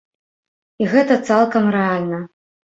І гэта цалкам рэальна.